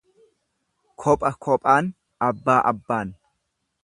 Kopha kophaan, abbaa abbaan.